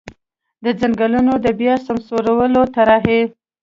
د ځنګلونو د بیا سمسورولو طرحې.